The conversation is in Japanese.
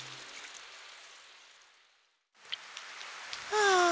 ああ